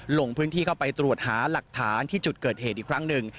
ลงพื้นที่เข้าไปตรวจหาหลักฐานที่จุดเกิดเหตุอีกครั้งหนึ่ง